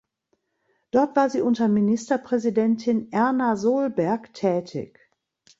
Dort war sie unter Ministerpräsidentin Erna Solberg tätig.